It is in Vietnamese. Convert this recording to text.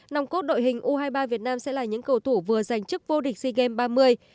nòng cốt đội hình u hai mươi ba việt nam sẽ là những cầu thủ vừa giành chức vô địch sea games ba mươi